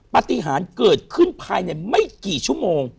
ปฏิหารเกิดขึ้นภายในไม่กี่ชั่วโมง